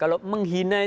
kalau menghina itu